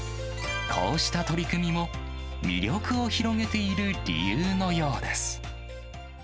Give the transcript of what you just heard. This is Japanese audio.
こうした取り組みも、魅力を広げている理由のようです。